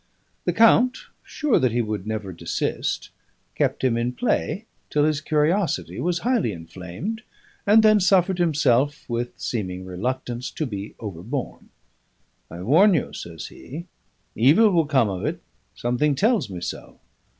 The count, sure that he would never desist, kept him in play till his curiosity was highly inflamed, and then suffered himself, with seeming reluctance, to be overborne. 'I warn you,' says he, 'evil will come of it; something tells me so.